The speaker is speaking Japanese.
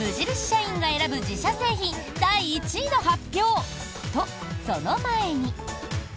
社員が選ぶ自社製品第１位の発表！と、その前に。